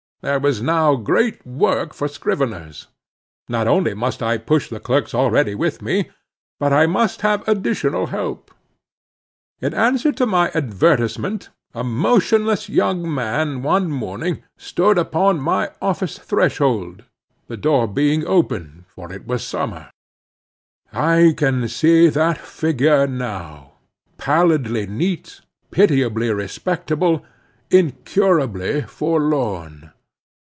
There was now great work for scriveners. Not only must I push the clerks already with me, but I must have additional help. In answer to my advertisement, a motionless young man one morning, stood upon my office threshold, the door being open, for it was summer. I can see that figure now—pallidly neat, pitiably respectable, incurably forlorn!